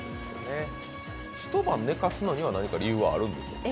一晩寝かすのには何か理由があるんですか？